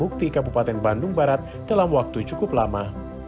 bukti kabupaten bandung barat dalam waktu cukup lama